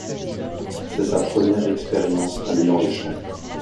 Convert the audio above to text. C'est sa première expérience alliant le chant.